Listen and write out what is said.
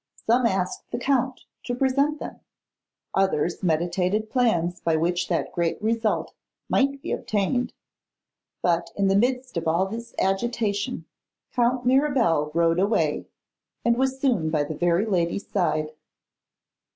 Some asked the Count to present them, others meditated plans by which that great result might be obtained; but, in the midst of all this agitation, Count Mirabel rode away, and was soon by the very lady's side.